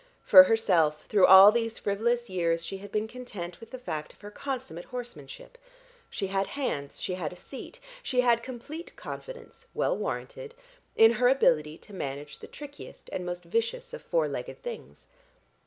For herself, through all these frivolous years she had been content with the fact of her consummate horsemanship; she had hands, she had a seat, she had complete confidence (well warranted) in her ability to manage the trickiest and most vicious of four legged things.